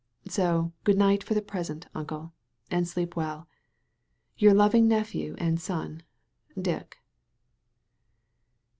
So good night for the present. Uncle, and sleep well. "Your loving nephew and son, "Dick.